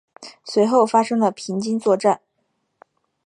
随后发生了平津作战。